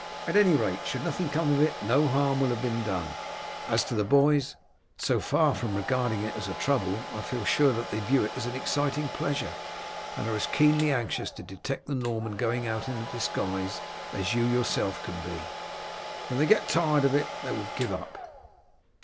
At any rate, should nothing come of it, no harm will have been done. As to the boys, so far from regarding it as a trouble, I feel sure that they view it as an exciting pleasure, and are as keenly anxious to detect the Norman going out in a disguise as you yourself can be. When they get tired of it they will give it up."